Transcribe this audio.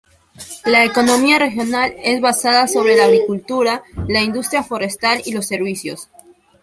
La economía regional es basada sobre la agricultura, la industria forestal y los servicios.